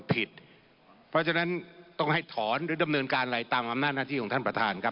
เพราะฉะนั้นต้องให้ถอนหรือดำเนินการอะไรตามอำนาจหน้าที่ของท่านประธานครับ